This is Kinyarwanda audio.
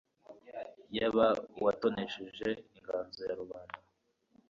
yaba uwatonesheje inganzo ya rubanda